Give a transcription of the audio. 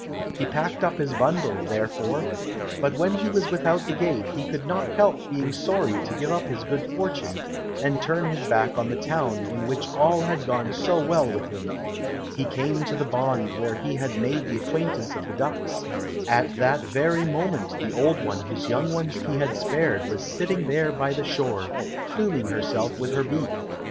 He packed up his bundle, therefore, but when he was without the gate he could not help being sorry to give up his good fortune, and turn his back on the town in which all had gone so well with him. He came to the pond where he had made the acquaintance of the ducks; at that very moment the old one whose young ones he had spared, was sitting there by the shore, pluming herself with her beak.